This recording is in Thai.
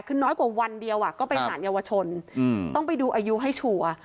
คือน้อยกว่าวันเดียวก็ไปสารเยาวชนต้องไปดูอายุให้ชัวร์